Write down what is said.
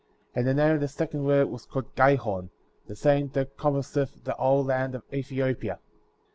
13. And the name of the second river was called Gihon; the same that compasseth the whole land of Ethiopia.